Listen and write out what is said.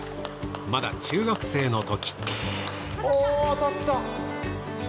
まだ中学生の時。